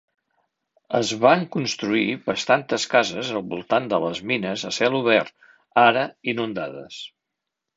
Es van construir bastantes cases al voltant de les mines a cel obert, ara inundades.